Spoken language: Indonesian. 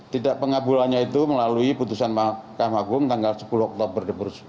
tidak pengabulannya itu melalui putusan mahkamah agung tanggal sepuluh oktober dua ribu sembilan belas